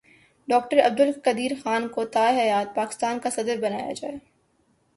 doctor Abdul Qadeer Khan کو تا حیات پاکستان کا صدر بنایا جائے